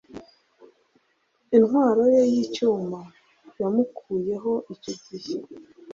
Intwaro ye yicyuma yamukuyeho icyo gihe